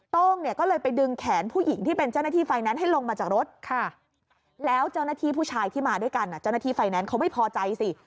โต้งเนี่ยก็เลยไปดึงแขนผู้หญิงที่เป็นเจ้าหน้าที่ไฟแนนซ์ให้ลงมาจากรถแล้วเจ้าหน้าที่ผู้ชายที่มาด้วยกันเจ้าหน้าที่ไฟแนนซ์เขาไม่พอใจสิ